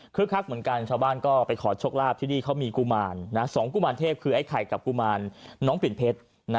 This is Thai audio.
คือคักเหมือนกันชาวบ้านก็ไปขอโชคลาภที่นี่เขามีกุมารสองกุมารเทพคือไอ้ไข่กับกุมารน้องปิ่นเพชร